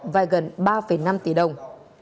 vai gần ba năm tỷ đồng